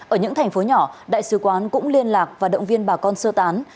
ở những thành phố nhỏ đại sứ quán cũng liên lạc và động viên bà con sơ tán